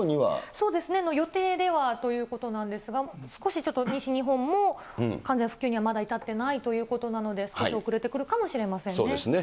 そうですね、予定ではということなんですが、少しちょっと、西日本も完全復旧にはまだ至ってないということなので、少し遅れそうですね。